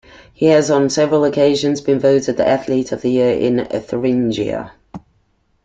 He has on several occasions been voted the athlete of the year in Thuringia.